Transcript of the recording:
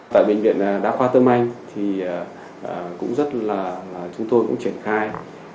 tại bệnh viện đa khoa tâm anh thì cũng rất là chúng tôi cũng triển khai